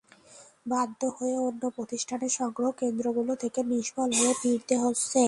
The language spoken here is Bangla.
বাধ্য হয়ে অন্য প্রতিষ্ঠানের সংগ্রহ কেন্দ্রগুলো থেকে নিষ্ফল হয়ে ফিরতে হচ্ছে।